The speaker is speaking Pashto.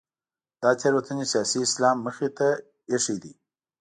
دا تېروتنې سیاسي اسلام مخې ته اېښې دي.